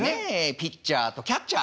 ピッチャーとキャッチャー。